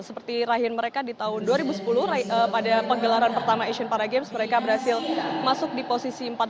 seperti rahim mereka di tahun dua ribu sepuluh pada pegelaran pertama asian para games mereka berhasil masuk di posisi empat belas